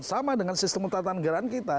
sama dengan sistem utama tanggeran kita